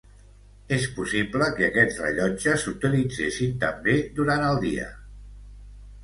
És possible que aquests rellotges s'utilitzessin també durant el dia.